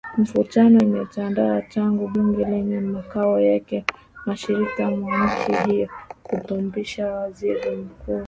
Mivutano imetanda tangu bunge lenye makao yake mashariki mwa nchi hiyo kumwapisha Waziri Mkuu